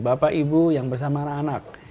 bapak ibu yang bersama anak anak